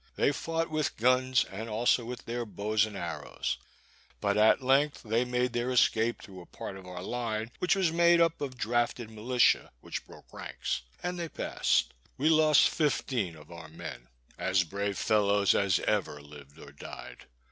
They fought with guns, and also with their bows and arrows; but at length they made their escape through a part of our line, which was made up of drafted militia, which broke ranks, and they passed. We lost fifteen of our men, as brave fellows as ever lived or died.